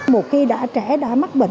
một khi đã trẻ đã mắc bệnh